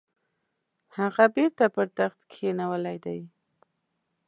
هغه بیرته پر تخت کښېنولی دی.